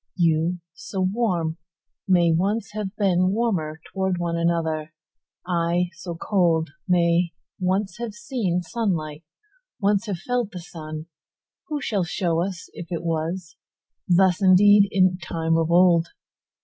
You, so warm, may once have beenWarmer towards another one:I, so cold, may once have seenSunlight, once have felt the sun:Who shall show us if it wasThus indeed in time of old?